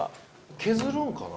削るんかな？